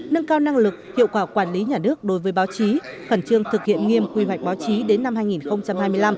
nâng cao năng lực hiệu quả quản lý nhà nước đối với báo chí khẩn trương thực hiện nghiêm quy hoạch báo chí đến năm hai nghìn hai mươi năm